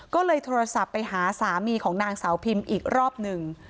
ก็เลยโทรศัพท์ไปหาสามีของนางสาวพิมอีกรอบหนึ่ง